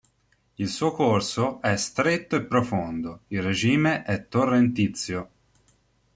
Il suo corso è stretto e profondo, il regime è torrentizio.